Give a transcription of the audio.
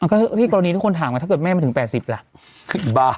อังกฤษที่กรณีทุกคนถามว่าถ้าเกิดแม่ไม่ถึงแปดสิบล่ะบ้า